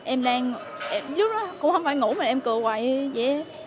em đang lúc đó cũng không phải ngủ mà em cười hoài vậy